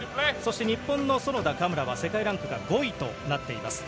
日本の園田・嘉村は世界ランキング５位となっています。